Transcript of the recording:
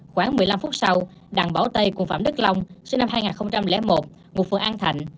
khoảng một mươi năm phút sau đặng bảo tây của phạm đức long sinh năm hai nghìn một ngụ phường an thạnh